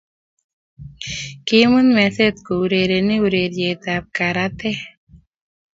Kiimut meset kourereni ureriet ab karataek